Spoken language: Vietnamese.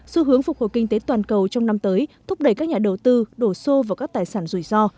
xu hướng phục hồi kinh tế toàn cầu trong năm tới thúc đẩy các nhà đầu tư đổ xô vào các tài sản rủi ro